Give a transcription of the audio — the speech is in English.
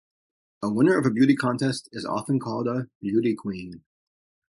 A winner of a beauty contest is often called a beauty queen.